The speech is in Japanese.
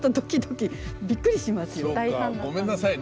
ごめんなさいね。